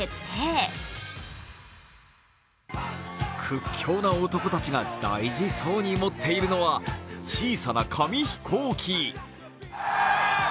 屈強な男たちが大事そうに持っているのは小さな紙飛行機。